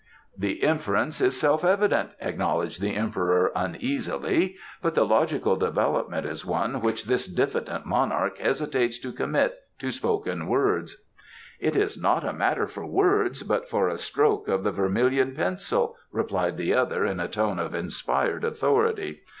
"The inference is self evident," acknowledged the Emperor uneasily, "but the logical development is one which this diffident Monarch hesitates to commit to spoken words." "It is not a matter for words but for a stroke of the Vermilion Pencil," replied the other in a tone of inspired authority.